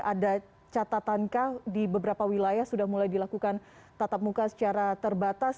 ada catatan kah di beberapa wilayah sudah mulai dilakukan tetap muka secara terbatas